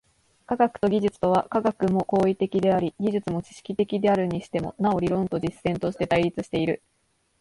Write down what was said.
科学と技術とは、科学も行為的であり技術も知識的であるにしても、なお理論と実践として対立している。